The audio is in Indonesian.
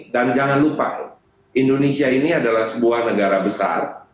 dan jangan lupa indonesia ini adalah sebuah negara besar